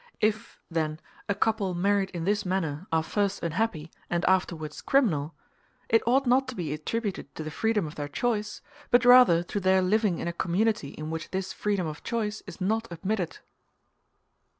If, then, a couple married in this manner are first unhappy and afterwards criminal, it ought not to be attributed to the freedom of their choice, but rather to their living in a community in which this freedom of choice is not admitted.